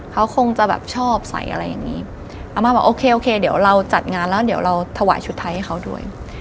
เขาคงจะแบบชอบใส่อะไรอย่างนี้อาม่าบอกโอเคโอเคเดี๋ยวเราจัดงานแล้วเดี๋ยวเราถวายชุดไทยให้เขาด้วย